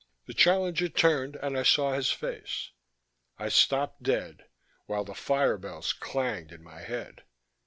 The challenger turned and I saw his face. I stopped dead, while fire bells clanged in my head.